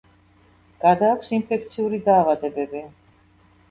გადააქვს ინფექციური დაავადებები.